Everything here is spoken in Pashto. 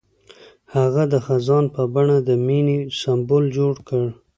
هغه د خزان په بڼه د مینې سمبول جوړ کړ.